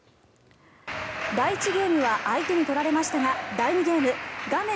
第１ゲームは相手に取られましたが第２ゲーム画面